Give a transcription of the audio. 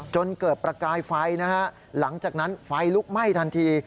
จนเกิดประกายไฟนะฮะหลังจากนั้นไฟลุกไหม้ทันที